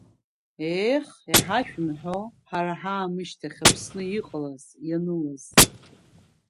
Еех, иҳашәымҳәо ҳара ҳаамышьҭахь Аԥсны иҟалаз-ианылаз.